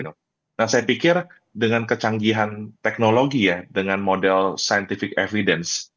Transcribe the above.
nah saya pikir dengan kecanggihan teknologi ya dengan model scientific evidence